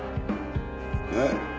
えっ？